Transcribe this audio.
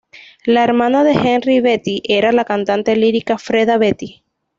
La hermana de Henri Betti era la cantante lírica Freda Betti.